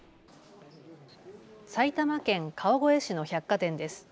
埼玉県川越市の百貨店です。